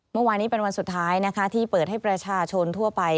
เมื่อวานนี้เป็นวันสุดท้ายนะคะที่เปิดให้ประชาชนทั่วไป